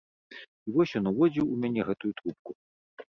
І вось ён уводзіў у мяне гэтую трубку.